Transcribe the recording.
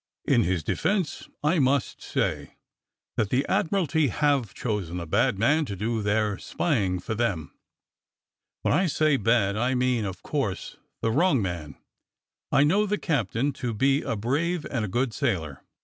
In his defence I must say that the Admiralty have chosen a bad man to do their spying for them; THE CAPTAIN OBJECTS 89 when I say bad, I mean, of course, the * wrong' man. I know the captain to be a brave and a good sailor.